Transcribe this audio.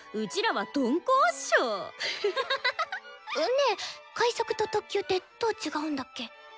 ねえ快速と特急ってどう違うんだっけ？